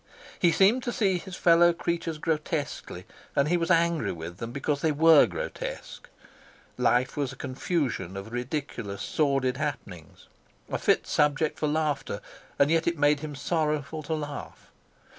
He seemed to see his fellow creatures grotesquely, and he was angry with them because they were grotesque; life was a confusion of ridiculous, sordid happenings, a fit subject for laughter, and yet it made him sorrowful to laugh.